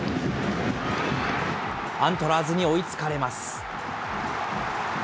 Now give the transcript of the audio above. アントラーズに追いつかれます。